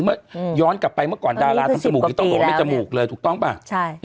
เมื่อย้อนกลับไปเมื่อก่อนดาราทำจมูกก็ไม่จมูกเลยถูกต้องป่ะใช่